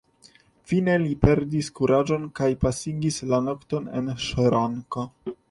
Fine li perdis kuraĝon kaj pasigis la nokton en ŝranko.